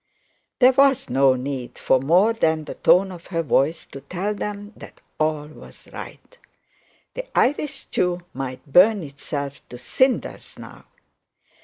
There was no need for more than the tone of her voice to tell them that all was right. The Irish stew might burn itself to cinders now.